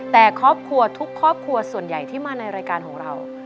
แต่ครอบครัวทุกครอบครัวส่วนใหญ่ที่มาในรายการของเรา